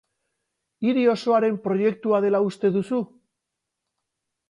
Hiri osoaren proiektua dela uste duzu?